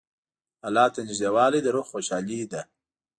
الله ته نېږدېوالی د روح خوشحالي ده.